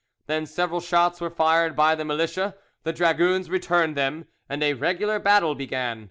Then several shots were fired by the militia, the dragoons returned them, and a regular battle began.